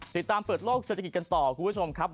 ติดตามเปิดโลกเศรษฐกิจกันต่อคุณผู้ชมครับ